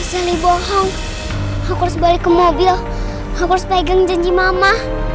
sini bohong aku harus balik ke mobil aku harus pegang janji mama